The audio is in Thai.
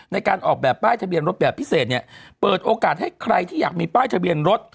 ในการออกแบบป้ายทะเบียนรถแบบพิเศษเนี่ยเปิดโอกาสให้ใครที่อยากมีป้ายทะเบียนรถ